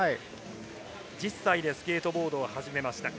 １０歳でスケートボードを始めました。